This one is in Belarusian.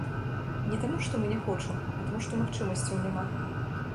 Не таму, што мы не хочам, а таму, што магчымасцяў няма.